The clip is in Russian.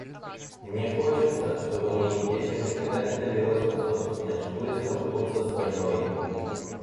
Мне хочется, чтобы моим детям никогда не довелось на собственной шкуре столкнуться с войной.